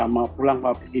mau pulang ke wabidi